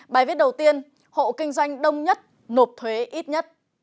bài viết đầu tiên hộ kinh doanh đông nhất nộp thuế ít nhất